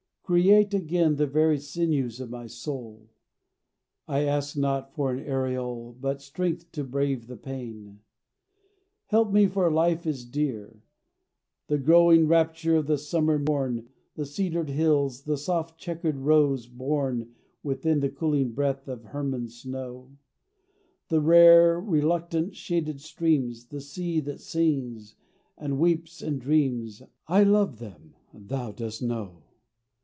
Create again The very sinews of my soul: I ask not for an aureole, But strength to brave the pain. Help me, for life is dear: The growing rapture of the summer morn, The cedared hills, and soft cheeked roses born Within the cooling breath of Hermon's snow, The rare reluctant shaded streams, The sea that sings, and weeps, and dreams; I love them: Thou dost know.